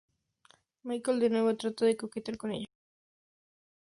Michael de nuevo trata de coquetear con ella.